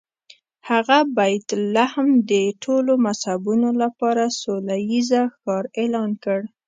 هغه بیت لحم د ټولو مذهبونو لپاره سوله ییز ښار اعلان کړ.